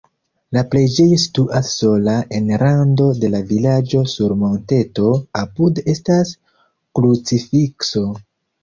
La preĝejo situas sola en rando de la vilaĝo sur monteto, apude estas krucifikso.